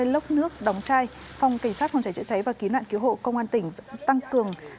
một trăm năm mươi lốc nước đóng chai phòng cảnh sát phòng cháy chữa cháy và ký nạn cứu hộ công an tỉnh tăng cường